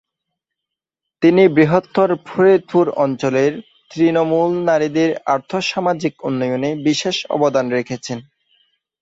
তিনি বৃহত্তর ফরিদপুর অঞ্চলের তৃণমূল নারীদের আর্থ-সামাজিক উন্নয়নে বিশেষ অবদান রেখেছেন।